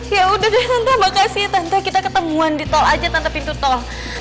ya udah deh tante makasih tante kita ketemuan di tol aja tanpa pintu tol